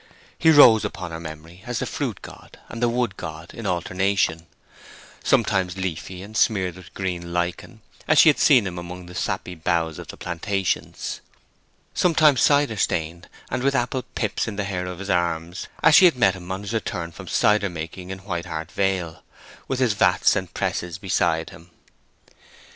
He rose upon her memory as the fruit god and the wood god in alternation; sometimes leafy, and smeared with green lichen, as she had seen him among the sappy boughs of the plantations; sometimes cider stained, and with apple pips in the hair of his arms, as she had met him on his return from cider making in White Hart Vale, with his vats and presses beside him.